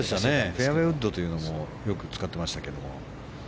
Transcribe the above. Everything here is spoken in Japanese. フェアウェーウッドもよく使っていましたけれども。